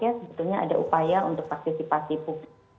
sebetulnya ada upaya untuk partisipasi publik